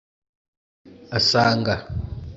asanga